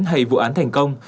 hay vụ án thành công